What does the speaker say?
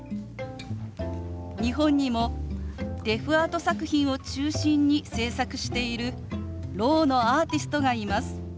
日本にもデフアート作品を中心に制作しているろうのアーティストがいます。